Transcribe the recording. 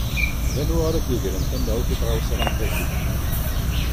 D anwa ara ad yegren tamawt i tɣawsa am taki.